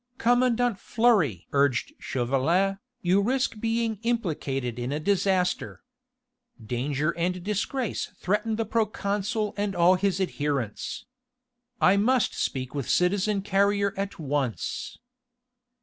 "Commandant Fleury!" urged Chauvelin, "you risk being implicated in a disaster. Danger and disgrace threaten the proconsul and all his adherents. I must speak with citizen Carrier at once."